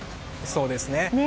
そうですね。